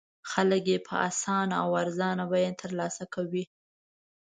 خلک یې په اسانه او ارزانه بیه تر لاسه کوي.